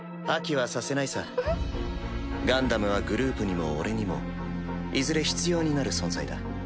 ガンダムはグループにも俺にもいずれ必要になる存在だ。